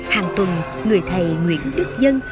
hàng tuần người thầy nguyễn đức dân